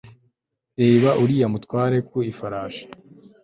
Reba uriya mutware ku ifarashi